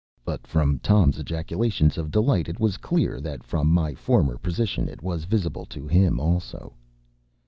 But from Tom’s ejaculations of delight it was clear that from my former position it was visible to him also.